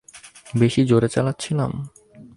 বেশি জোরে চালাচ্ছিলাম?